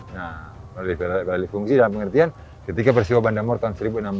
nah beralih fungsi dalam pengertian ketika bersiwa banda morda tahun seribu enam ratus dua puluh satu